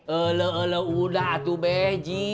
eloh eloh udah tuh beji